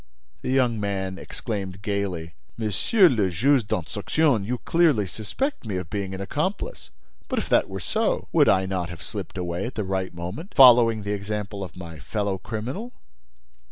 The young man exclaimed, gaily: "Monsieur le Juge d'Instruction, you clearly suspect me of being an accomplice. But, if that were so, would I not have slipped away at the right moment, following the example of my fellow criminal?"